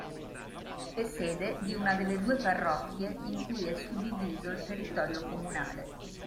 È sede di un delle due parrocchie in cui è suddiviso il territorio comunale.